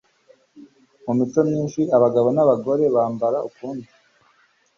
Mu mico myinshi abagabo nabagore bambara ukundi